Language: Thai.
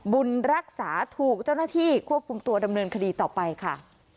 บุญรักษาถูกเจ้าหน้าที่ควบคุมตัวดำเนินคดีต่อไปค่ะ